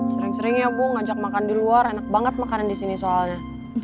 sering sering ya ibu ngajak makan di luar enak banget makannya disini soalnya